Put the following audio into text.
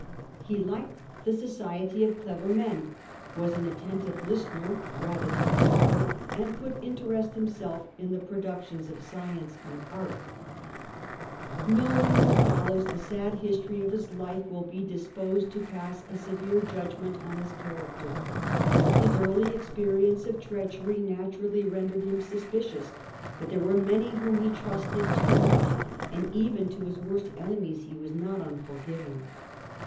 He liked the society of clever men, was an attentive listener rather than a talker, and could interest himself in the produc tions of science and art. Digitized by VjOOQIC 1 86 HlLDEBRAND No one who follows the sad history of his life will be disposed to pass a severe judgment on his cha racter. His early experience of treachery naturally rendered him suspicious, but there were many whom he trusted too much, and even to his worst enemies he was not unforgiving.